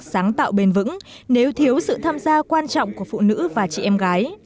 sáng tạo bền vững nếu thiếu sự tham gia quan trọng của phụ nữ và chị em gái